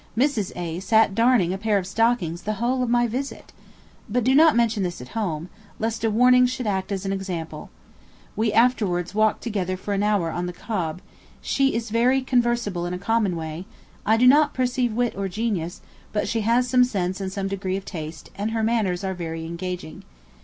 Mrs. A. sat darning a pair of stockings the whole of my visit. But do not mention this at home, lest a warning should act as an example. We afterwards walked together for an hour on the Cobb; she is very converseable in a common way; I do not perceive wit or genius, but she has sense and some degree of taste, and her manners are very engaging.